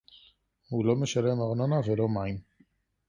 הוא לא משלם ארנונה ולא מים